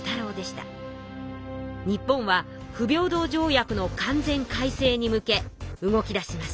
日本は不平等条約の完全改正に向け動き出します。